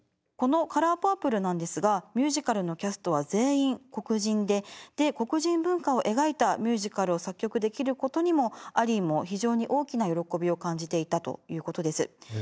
この「カラーパープル」なんですがミュージカルのキャストは全員黒人でで黒人文化を描いたミュージカルを作曲できることにもアリーも非常に大きな喜びを感じていたということです。